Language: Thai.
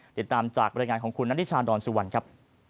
เดี๋ยวตามจากบริหารของคุณนัทธิชาดอนสุวรรณครับ